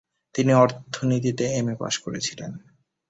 তিনি অর্থনীতিতে এমএ পাস করেছিলেন।